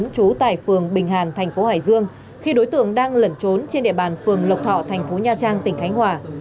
trú tại phường bình hàn thành phố hải dương khi đối tượng đang lẩn trốn trên địa bàn phường lộc thọ thành phố nha trang tỉnh khánh hòa